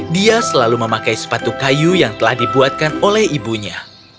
dia selalu memakai sepatu kayu yang telah dibuatkan oleh ibunya